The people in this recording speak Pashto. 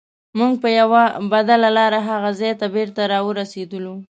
موږ په یوه بدله لار هغه ځای ته بېرته راورسیدلو.